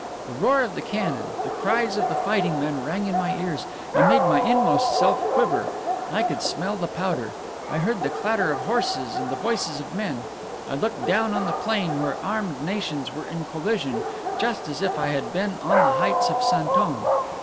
The roar of the cannon, the cries of the fighting men rang in my ears, and made my inmost self quiver; I could smell the powder; I heard the clatter of horses and the voices of men; I looked down on the plain where armed nations were in collision, just as if I had been on the heights of Santon.